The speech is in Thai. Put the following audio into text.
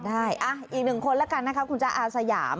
อ่าอีกหนึ่งคนเป็นอาร์สยาม